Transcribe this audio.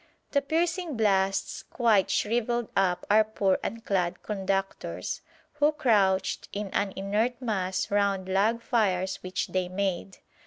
The piercing blasts quite shrivelled up our poor unclad conductors, who crouched in an inert mass round log fires which they made.